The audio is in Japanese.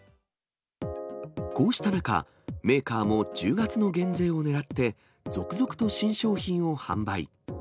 こうした中、メーカーも１０月の減税を狙って、続々と新商品を販売。